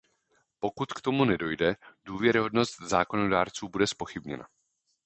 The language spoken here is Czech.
Pokud k tomu nedojde, důvěryhodnost zákonodárců bude zpochybněna.